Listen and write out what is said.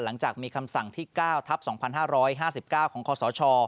หลังจากมีคำสั่งที่๙ทัพ๒๕๕๙ของคศ